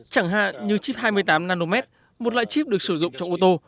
chẳng hạn như chip hai mươi tám nm một loại chip được sử dụng trong ô tô